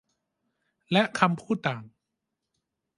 และคำพูดต่าง